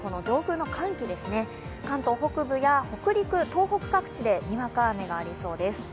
上空の寒気ですね、関東北部や北陸東北各地でにわか雨がありそうです。